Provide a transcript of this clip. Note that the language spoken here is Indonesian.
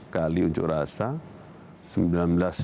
kali unjuk rasa dan epicentrumnya ada di jakarta